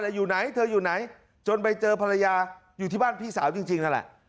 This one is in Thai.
อยู่ไหนเธออยู่ไหนจนไปเจอภรรยาอยู่ที่บ้านพี่สาวจริงนั่นแหละ